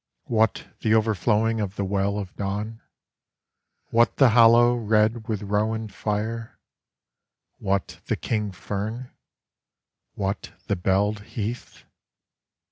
What the overflowingOf the well of dawn? What the hollow, Red with rowan fire? What the king fern? What the belled heath?